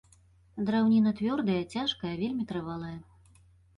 Драўніна цвёрдая, цяжкая, вельмі трывалая.